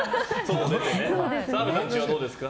澤部さんちはどうですか？